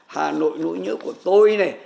hà nội nỗi nhớ của tôi này